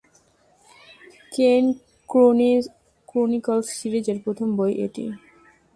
Kane Chronicles সিরিজের প্রথম বই এটি।